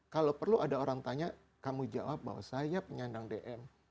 kalau perlu ada orang tanya kamu jawab bahwa saya penyandang dm